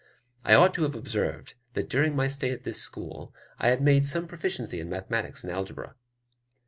I ought to have observed, that during my stay at this school, I had made some proficiency in mathematics and algebra.